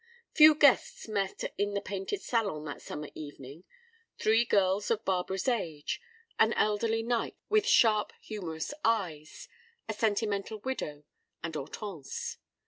Few guests met in the painted salon that summer evening: three girls of Barbara's age, an elderly knight with sharp, humorous eyes, a sentimental widow, and Hortense.